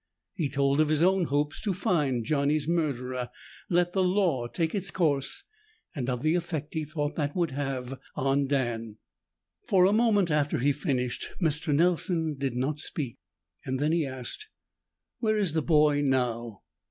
He told of his own hopes to find Johnny's murderer, let the law take its course, and of the effect he thought that would have on Dan. For a moment after he finished, Mr. Nelson did not speak. Then he asked, "Where is the boy now?"